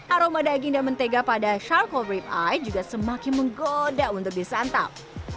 aroma daging dan mentega pada sharco rip eye juga semakin menggoda untuk disantap